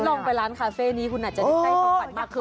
งั้นลองไปร้านคาเฟ่นี้คุณอาจจะได้ความฝันมากขึ้น